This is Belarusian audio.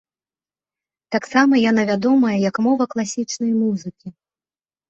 Таксама яна вядомая як мова класічнай музыкі.